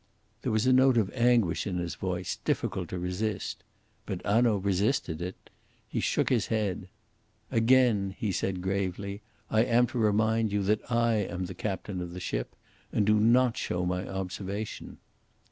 There was a note of anguish in his voice difficult to resist. But Hanaud resisted it. He shook his head. "Again," he said gravely, "I am to remind you that I am captain of the ship and do not show my observation."